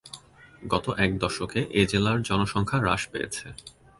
গত এক দশকে এ জেলার জনসংখ্যা হ্রাস পেয়েছে।